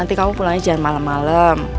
nanti kamu pulang aja malem malem